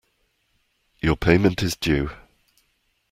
Your payment is due.